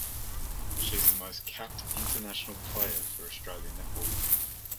She is the most capped international player for Australian netball.